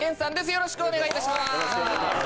よろしくお願いします